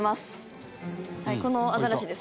「はいこのアザラシです」